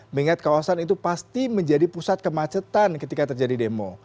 mengingat kawasan itu pasti menjadi pusat kemacetan ketika terjadi demo